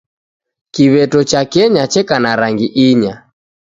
Kiw'eto cha Kenya cheka na rangi inya